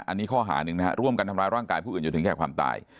อันนี้ข้อหาหนึ่งนะฮะร่วมกันทำร้ายร่างกายผู้อื่นจนถึงแก่ความตาย